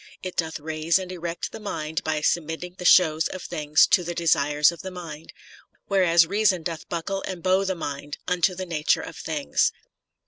... It doth raise and erect the mind by submitting the shows of things to the desires of the mind, whereas reason doth buckle and bow the mind unto the nature of things.